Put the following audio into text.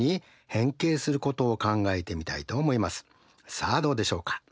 さあどうでしょうか？